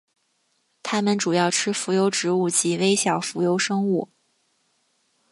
它们主要吃浮游植物及微小浮游生物。